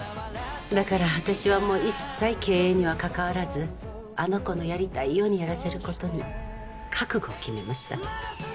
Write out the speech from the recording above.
だから私はもう一切経営には関わらずあの子のやりたいようにやらせることに覚悟を決めました。